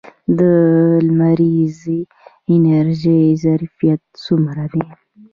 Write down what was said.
د لمریزې انرژۍ ظرفیت څومره دی؟